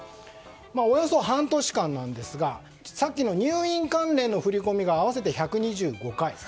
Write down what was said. およそ半年間なんですがさっきの入院関連の振り込みが合わせて１２５回。